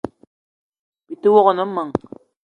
Byi te wok ne meng :